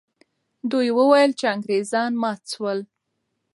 دوی وویل چې انګریزان مات سول.